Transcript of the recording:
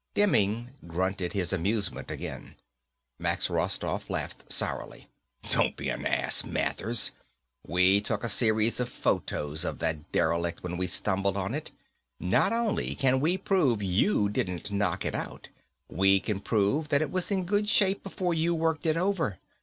Demming grunted his amusement again. Max Rostoff laughed sourly. "Don't be an ass, Mathers. We took a series of photos of that derelict when we stumbled on it. Not only can we prove you didn't knock it out, we can prove that it was in good shape before you worked it over.